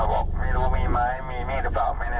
บอกไม่รู้มีไหมมีมีดหรือเปล่าไม่แน่